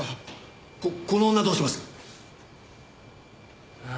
この女どうします？ああ。